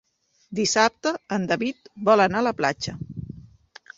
Dissabte en David vol anar a la platja.